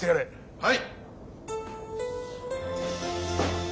はい。